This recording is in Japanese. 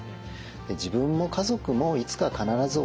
自分も家族もいつか必ず衰えていくと。